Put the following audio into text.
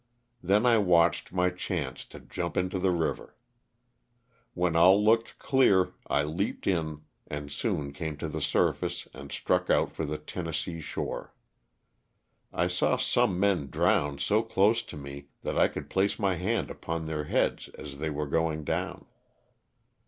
Then I watched my chance to jump into the river. When all looked clear I leaped in and soon came to the surface and struck out for the Tennessee shore. I saw some drown so close to me that I could place my hand upon their heads as they were going down.